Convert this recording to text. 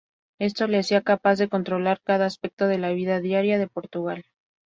Esto le hacía capaz de controlar cada aspecto de la vida diaria de Portugal.